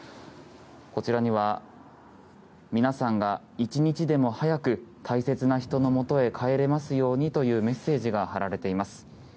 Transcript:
こちらには皆さんが一日でも早く大切な人のもとへ帰れますようにというメッセージが貼られています。